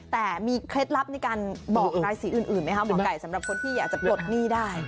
แต่มีเคล็ดลับในการบอกราศีอื่นไหมคะหมอไก่สำหรับคนที่อยากจะปลดหนี้ได้